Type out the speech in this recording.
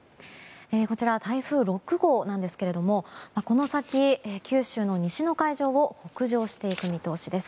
こちら、台風６号なんですがこの先、九州の西の海上を北上していく見通しです。